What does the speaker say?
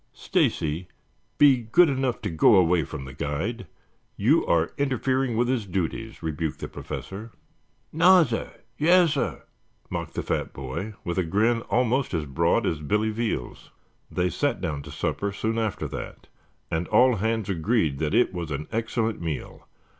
"Stacy, be good enough to go away from the guide. You are interfering with his duties," rebuked the Professor. "Nassir. Yassir," mocked the fat boy with a grin almost as broad as Billy Veal's. They sat down to supper soon after that and all hands agreed that it was an excellent meal.